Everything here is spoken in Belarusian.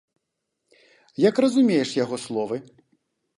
Як разумееш яго словы?